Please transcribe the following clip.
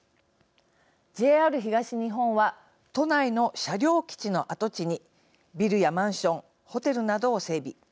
ＪＲ東日本は都内の車両基地の跡地にビルやマンションホテルなどを整備。